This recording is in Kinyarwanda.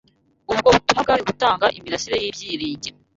ubwo butumwa bwari gutanga imirasire y’ibyiringiro